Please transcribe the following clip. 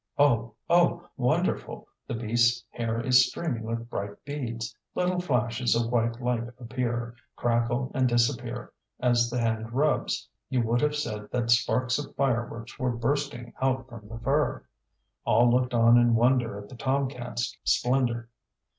Oh! oh! wonderful! the beastŌĆÖs hair is streaming with bright beads; little flashes of white light appear, crackle, and disappear as the hand rubs; you would have said that sparks of fireworks were bursting out from the fur. All looked on in wonder at the tom catŌĆÖs splendor.